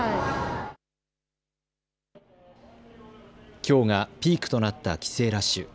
きょうがピークとなった帰省ラッシュ。